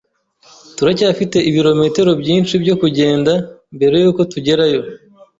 Turacyafite ibirometero byinshi byo kugenda mbere yuko tugerayo.